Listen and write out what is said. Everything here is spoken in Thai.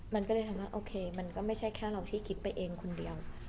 มันก็เลยทำให้โอเคมันก็ไม่ใช่แค่เราที่คิดไปเองคนเดียว